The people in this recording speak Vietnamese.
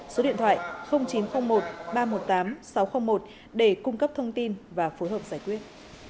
số điện thoại chín trăm linh một ba trăm một mươi tám sáu trăm linh một để cung cấp thông tin và phối hợp giải quyết